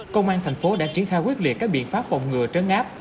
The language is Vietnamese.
công an tp hcm đã triển khai quyết liệt các biện pháp phòng ngừa trấn áp